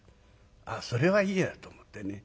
ああそれはいいやと思ってね。